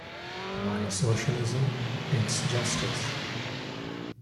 My socialism it is justice.